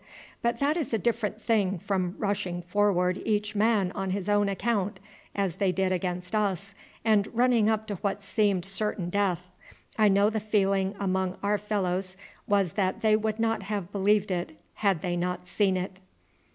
But that is a different thing from rushing forward each man on his own account, as they did against us, and running up to what seemed certain death. I know the feeling among our fellows was that they would not have believed it had they not seen it."